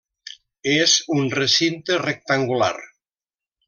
És un recinte rectangular.